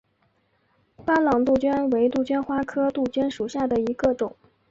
巴朗杜鹃为杜鹃花科杜鹃属下的一个种。